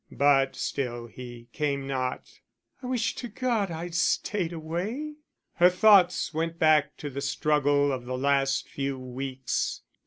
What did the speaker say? But still he came not. "I wish to God I'd stayed away." Her thoughts went back to the struggle of the last few weeks.